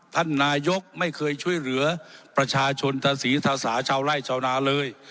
ท่านนายกไม่เคยช่วยเหลือประชาชนทศีธาสาชาวไร่ชาวนาเลย